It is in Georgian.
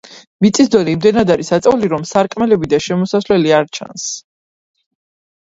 მიწის დონე იმდენად არის აწეული, რომ სარკმლები და შესასვლელი არ ჩანს.